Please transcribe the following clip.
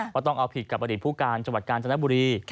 ก็ต้องเอาผิดกับอดีตผู้การจังหวัดกาญจนบุรี